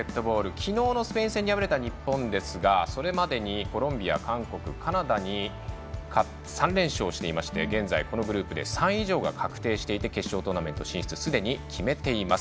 きのうのスペイン戦に敗れた日本ですがそれまでにコロンビア、韓国、カナダに３連勝していまして現在、このグループで３位以上が確定していて決勝トーナメント進出をすでに決めています。